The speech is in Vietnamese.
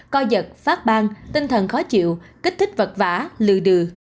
coi giật phát bang tinh thần khó chịu kích thích vật vả lừ đừ